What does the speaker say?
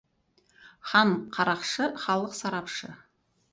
Хан — қарақшы, халық — сарапшы.